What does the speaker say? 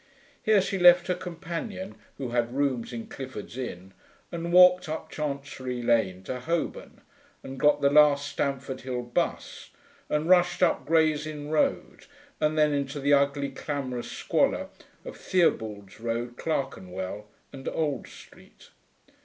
Here she left her companion, who had rooms in Clifford's Inn, and walked up Chancery Lane to Holborn, and got the last Stamford Hill bus and rushed up Gray's Inn Road and then into the ugly, clamorous squalor of Theobald's Road, Clerkenwell and Old Street.